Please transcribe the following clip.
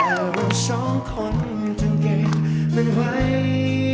แต่ว่าสองคนจงเก็บมันไหว